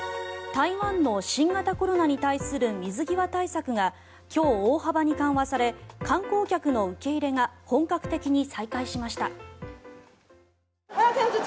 台湾の新型コロナに対する水際対策が今日、大幅に緩和され観光客の受け入れが本格的に再開しました。